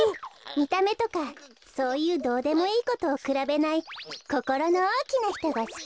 みためとかそういうどうでもいいことをくらべないこころのおおきなひとがすき。